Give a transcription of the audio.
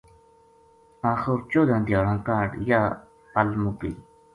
آخر چودہ دھیاڑاں کاہڈ یاہ پل مُک گئی